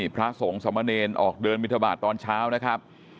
พระสงฆ์สมเนรออกเดินบินทบาทตอนเช้านะครับ